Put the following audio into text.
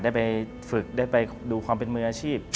ได้ไปฝึกได้ไปดูความเป็นมืออาชีพ